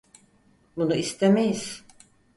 Bunu istemeyiz.